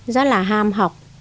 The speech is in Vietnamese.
rất là ham học